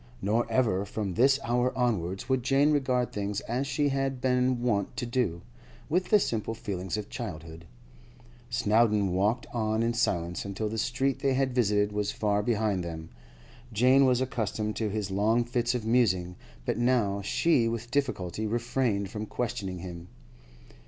Nor ever from this hour onwards would Jane regard things as she had been wont to do, with the simple feelings of childhood. Snowdon walked on in silence until the street they had visited was far behind them. Jane was accustomed to his long fits of musing, but now she with difficulty refrained from questioning him.